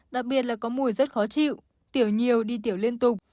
đặc biệt là có mùi rất khó chịu tiểu nhiều đi tiểu liên tục